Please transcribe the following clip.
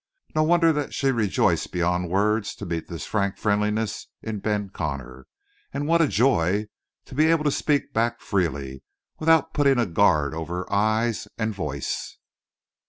No wonder that she was rejoiced beyond words to meet this frank friendliness in Ben Connor. And what a joy to be able to speak back freely, without putting a guard over eyes and voice!